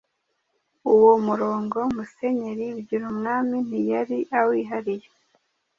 Uwo murongo Musenyeri Bigirumwami ntiyari awihariye,